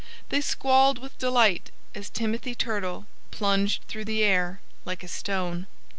They squalled with delight as Timothy Turtle plunged through the air like a stone.